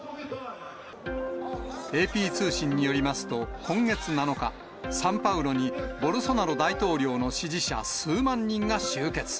ＡＰ通信によりますと、今月７日、サンパウロにボルソナロ大統領の支持者数万人が集結。